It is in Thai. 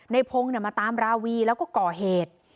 ในพงศ์มาตามราวีแล้วก็ก่อเหตุ